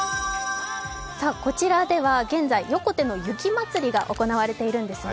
こちらでは現在、横手の雪まつりが行われているんですね。